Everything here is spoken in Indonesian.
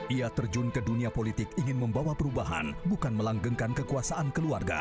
ia terjun ke dunia politik ingin membawa perubahan bukan melanggengkan kekuasaan keluarga